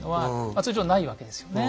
通常はないわけですよね。